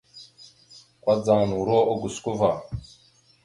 Kudzaŋ noro ogusko va.